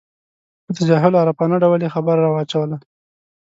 په تجاهل عارفانه ډول یې خبره راواچوله.